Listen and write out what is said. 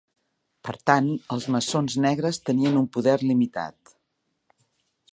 Per tant, els maçons negres tenien un poder limitat.